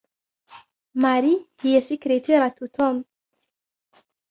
ماري هي سكرتيرة توم.